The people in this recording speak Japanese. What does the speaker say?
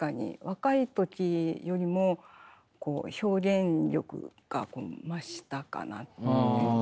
若い時よりも表現力が増したかなって。